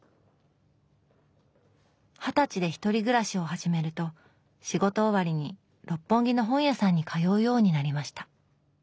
二十歳で１人暮らしを始めると仕事終わりに六本木の本屋さんに通うようになりました